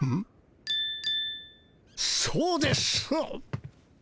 そうです！